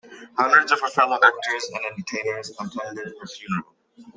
Hundreds of her fellow actors and entertainers attended her funeral.